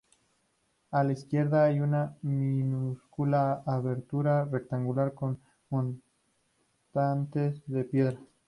A la izquierda hay una minúscula abertura rectangular con montantes de piedra.